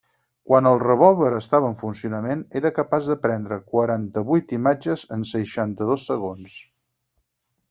Quan el revòlver estava en funcionament era capaç de prendre quaranta-vuit imatges en seixanta-dos segons.